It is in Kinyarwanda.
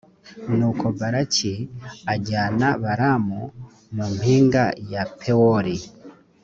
nuko balaki ajyana balamu mu mpinga ya pewori.